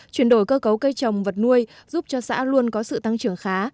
chuyển đổi cơ cấu cây trồng vật nuôi giúp cho xã luôn có sự tăng trưởng khá